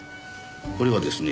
これはですね